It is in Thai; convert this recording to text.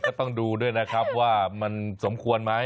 ก็ต้องดูด้วยนะครับว่ามันสมควรไหม